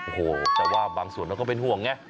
โอ้โหแต่ว่าบางส่วนเขาก็เป็นห่วงไง